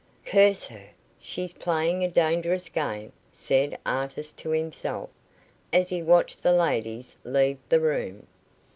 "Curse her! She's playing a dangerous game," said Artis to himself, as he watched the ladies leave the room.